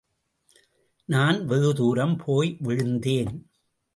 நான் வெகு தூரம் போய் விழுந்தேன்.